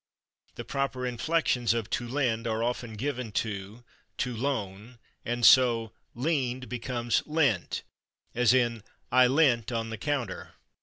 The proper inflections of /to lend/ are often given to /to loan/, and so /leaned/ becomes /lent/, as in "I /lent/ on the counter."